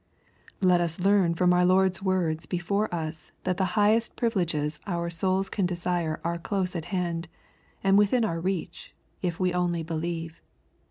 Let us learn from our Lord's words before us that the highest privileges our souls can desire are close at hand, and within our reach, if we only belive.